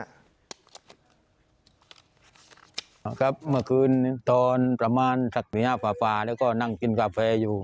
ครับเมื่อคืนนี้ตอนประมาณสักนิหาฟาแล้วก็นั่งกินกาแฟอยู่